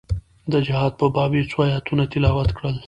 د جهاد په باب يې څو ايتونه تلاوت کړل.